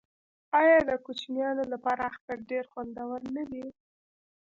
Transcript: آیا د کوچنیانو لپاره اختر ډیر خوندور نه وي؟